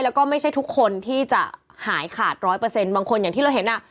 แล้วก็ไม่ใช่ทุกคนที่จะหายขาด๑๐๐บางคนอย่างที่เราเห็นอ่ะ